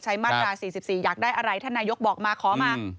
มาตรา๔๔อยากได้อะไรท่านนายกบอกมาขอมา